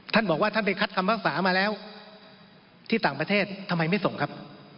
ท่านบอกว่าท่านไปคัดคำภาษามาแล้วที่ต่างประเทศทำไมไม่ส่งครับ